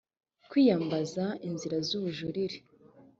kwiyambaza inzira z ubujurire